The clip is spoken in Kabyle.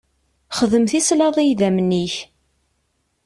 Xdem tislaḍ i idammen-ik.